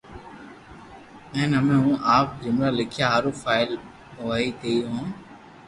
ھين ھئمي ھين آپ جملا لکيا ھارو قابل ھوئي گيو ھون